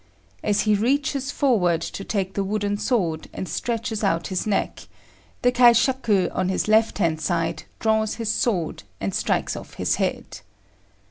As he reaches forward to take the wooden sword, and stretches out his neck, the kaifihaku on his left hand side draws his sword and strikes off his head.